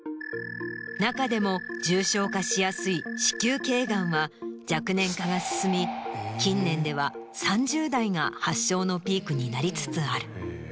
中でも重症化しやすい子宮頸がんは若年化が進み近年では３０代が発症のピークになりつつある。